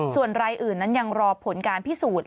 ส่วนรายอื่นนั้นยังรอผลการพิสูจน์